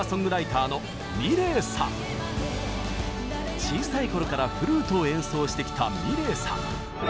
ゲストは小さい頃からフルートを演奏してきたｍｉｌｅｔさん。